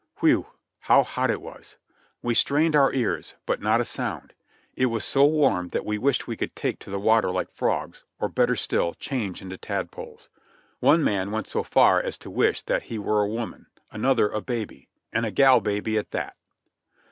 Whew! How hot it was ! We strained our ears, but not a sound. It was so warm that we wished we could take to the water like frogs, or better still, change into tadpoles. One man went so far as to wish that he were a woman; another a baby, "and a gal babv at that!"